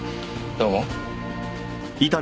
どうも。